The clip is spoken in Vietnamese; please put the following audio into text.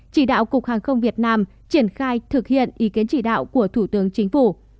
chỉ đạo cục hàng không việt nam triển khai thực hiện ý kiến chỉ đạo của thủ tướng chính phủ